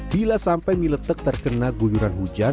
bila sampai mie letek terkena guyuran hujan